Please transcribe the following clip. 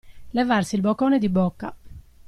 Levarsi il boccone di bocca.